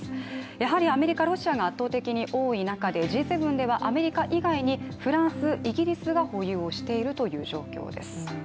やはりアメリカ、ロシアが圧倒的に多い中でＧ７ではアメリカ以外にフランス、イギリスが保有をしているという状況です。